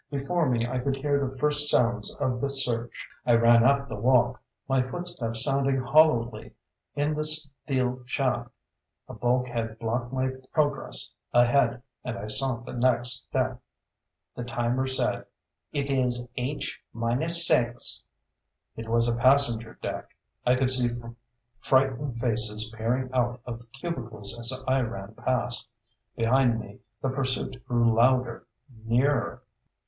Below me I could hear the first sounds of the search. I ran up the walk, my footsteps sounding hollowly in the steel shaft. A bulkhead blocked my progress ahead and I sought the next deck. The timer said: "It is H minus six." It was a passenger deck. I could see frightened faces peering out of cubicles as I ran past. Behind me, the pursuit grew louder, nearer.